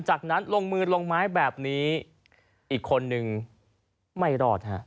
จากนั้นลงมือลงไม้แบบนี้อีกคนนึงไม่รอดฮะ